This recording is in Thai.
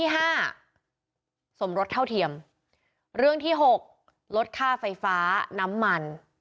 สมรสเท่าเทียมเรื่องที่หกลดค่าไฟฟ้าน้ำมัน